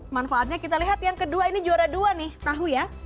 manfaatnya kita lihat yang kedua ini juara dua nih tahu ya